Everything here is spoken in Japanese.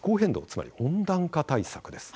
つまり温暖化対策です。